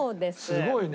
すごいね。